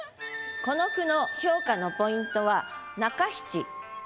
この句の評価のポイントは中七